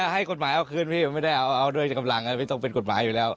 ให้กฎหมายเอาคืนพี่ผมไม่ได้เอาด้วยกำลังพี่ต้องเป็นกฎหมายอยู่แล้ว